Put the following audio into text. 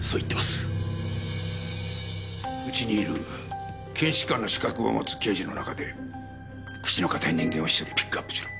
うちにいる検視官の資格を持つ刑事の中で口の堅い人間を１人ピックアップしろ。